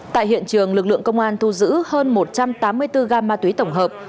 tại hiện trường lực lượng công an thu giữ hơn một trăm tám mươi bốn gam ma túy tổng hợp